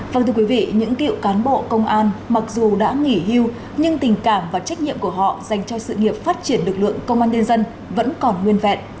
vâng thưa quý vị những cựu cán bộ công an mặc dù đã nghỉ hưu nhưng tình cảm và trách nhiệm của họ dành cho sự nghiệp phát triển lực lượng công an nhân dân vẫn còn nguyên vẹn